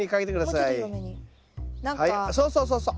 はいそうそうそうそう。